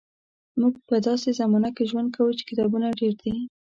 موږ په داسې زمانه کې ژوند کوو چې کتابونه ډېر دي.